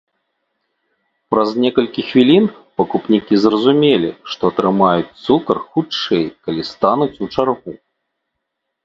Праз некалькі хвілін пакупнікі зразумелі, што атрымаюць цукар хутчэй, калі стануць у чаргу.